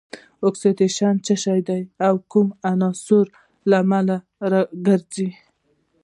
اکسیدیشن څه شی دی او کوم عنصر یې لامل ګرځي؟